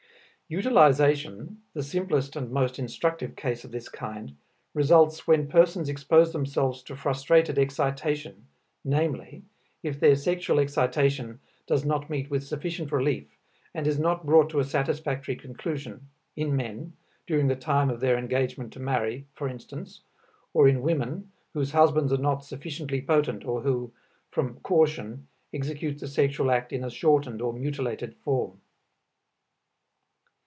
Utilization, the simplest and most instructive case of this kind, results when persons expose themselves to frustrated excitation, viz., if their sexual excitation does not meet with sufficient relief and is not brought to a satisfactory conclusion, in men, during the time of their engagement to marry, for instance, or in women whose husbands are not sufficiently potent or who, from caution, execute the sexual act in a shortened or mutilated form.